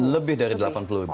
lebih dari delapan puluh mm